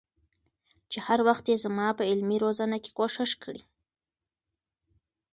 چې هر وخت يې زما په علمي روزنه کي کوښښ کړي